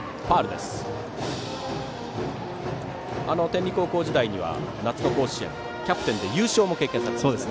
天理高校時代には夏の甲子園キャプテンで優勝も経験されています。